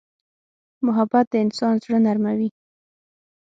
محبت د انسان زړه نرموي.